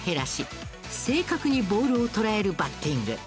正確にボールを捉えるバッティング。